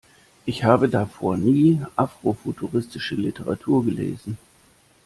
Ich habe davor nie afrofuturistische Literatur gelesen.